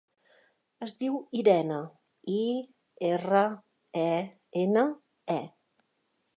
Es diu Irene: i, erra, e, ena, e.